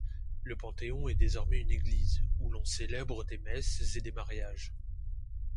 Le Panthéon est désormais une église, où l’on célèbre des messes et des mariages.